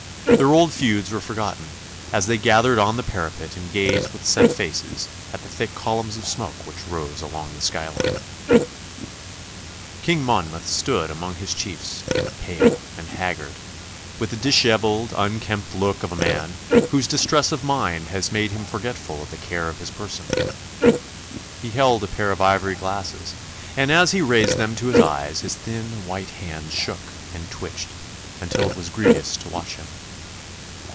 Their old feuds were forgotten as they gathered on the parapet and gazed with set faces at the thick columns of smoke which rose along the sky line. King Monmouth stood among his chiefs, pale and haggard, with the dishevelled, unkempt look of a man whose distress of mind has made him forgetful of the care of his person. He held a pair of ivory glasses, and as he raised them to his eyes his thin white hands shook and twitched until it was grievous to watch him.